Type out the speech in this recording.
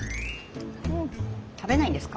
食べないんですか？